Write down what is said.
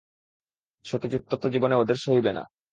সতেজ উত্তপ্ত জীবন ওদের সহিবে না।